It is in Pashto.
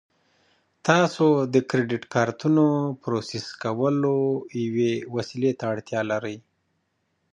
تاسو د کریډیټ کارتونو پروسس کولو یوې وسیلې ته اړتیا لرئ